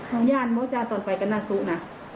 เอายังตีบ้างหล่ะ